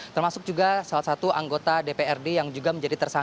termasuk juga salah satu anggota dprd yang juga menjadi tersangka